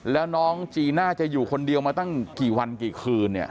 แล้วน้องจีน่าจะอยู่คนเดียวมาตั้งกี่วันกี่คืนเนี่ย